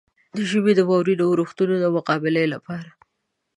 د ژمي د واورينو اورښتونو د مقابلې لپاره.